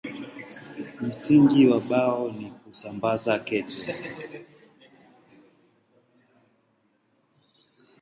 Msingi wa Bao ni kusambaza kete.